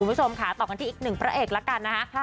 คุณผู้ชมค่ะต่อกันที่อีกหนึ่งพระเอกแล้วกันนะคะ